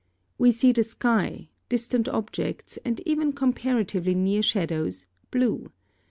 We see the sky, distant objects and even comparatively near shadows, blue.